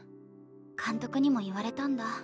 監督にも言われたんだ。